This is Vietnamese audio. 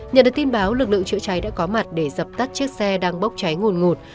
nhận được tin báo lực lượng chữa cháy đã có mặt để dập tắt chiếc xe đang bốc cháy ngồn ngột